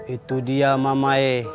itu dia mama e